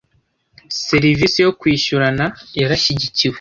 serivisi yo kwishyurana yarashyigikiwe